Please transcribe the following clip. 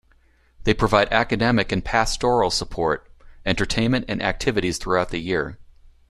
They provide academic and pastoral support, entertainment and activities throughout the year.